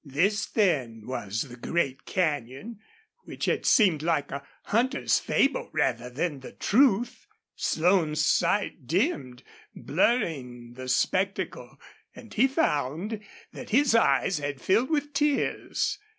This, then, was the great canyon, which had seemed like a hunter's fable rather than truth. Slone's sight dimmed, blurring the spectacle, and he found that his eyes had filled with tears.